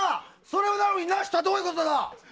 それなのになしとはどういうことだ。